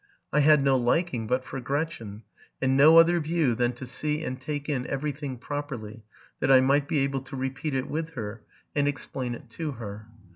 I had no liking but for Gretchen, and no other view than to see and take in every thing properly, that I might be able to repeat it with her, and explain it to her.